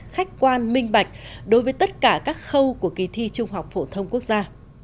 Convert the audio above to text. khách quan minh bạch đối với tất cả các khâu của kỳ thi trung học phổ thông quốc gia